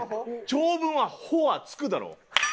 長文は「ほっ」は付くだろ。